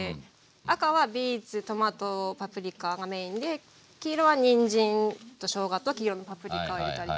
赤はビーツトマトパプリカがメインで黄色はにんじんとしょうがと黄色のパプリカを入れたり。